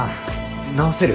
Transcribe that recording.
直せる？